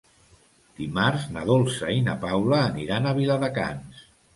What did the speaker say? Dimarts na Dolça i na Paula aniran a Viladecans.